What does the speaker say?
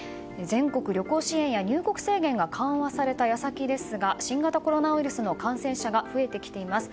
全国旅行支援や入国制限が緩和された矢先ですが新型コロナウイルスの感染者が増えてきています。